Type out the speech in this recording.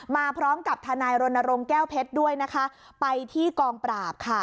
มาพร้อมกับทนายรณรงค์แก้วเพชรด้วยนะคะไปที่กองปราบค่ะ